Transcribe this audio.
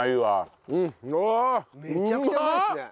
めちゃくちゃうまいですね。